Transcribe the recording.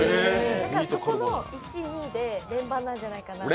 そこの１、２で連番なんじゃないかなと。